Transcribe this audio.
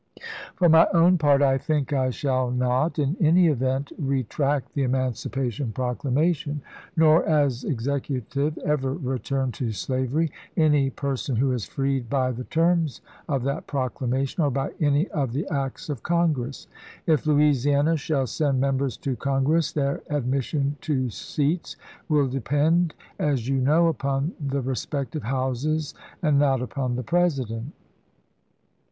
For my own part, I think I shall not, in any event, retract the Emancipation Proclamation ; nor, as Execu tive, ever return to slavery any person who is freed by the terms of that proclamation, or by any of the acts of Congress. If Louisiana shall send members to Congress, their admission to seats will depend, as you know, upon the respective Houses and not upon the President.